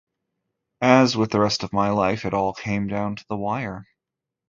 As with the rest of my life, it all came down to the wire.